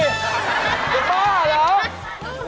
ไปมากเหรอ